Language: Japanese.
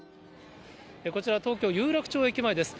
こちら、東京・有楽町駅前です。